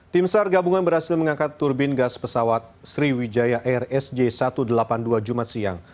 tim sar gabungan berhasil mengangkat turbin gas pesawat sriwijaya air sj satu ratus delapan puluh dua jumat siang